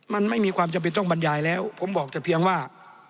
มันไม่มีความจำเป็นต้องบรรยายแล้วผมบอกแต่เพียงว่า